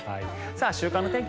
週間天気